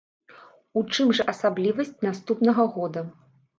У чым жа асаблівасць наступнага года?